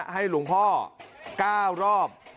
ให้หลวงพ่อก้าวรอบ